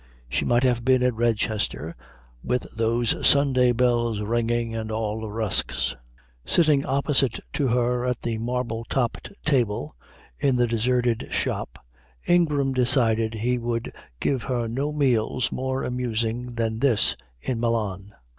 She might have been in Redchester with those Sunday bells ringing and all the rusks. Sitting opposite to her at the marble topped table in the deserted shop Ingram decided he would give her no meals more amusing than this in Milan.